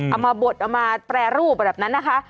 เอามาบดเอามาแปรรูปแบบนั้นนะคะ